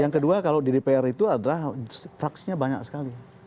yang kedua kalau di dpr itu adalah fraksinya banyak sekali